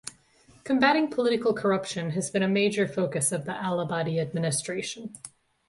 Combating political corruption has been a major focus of the Al-Abadi administration.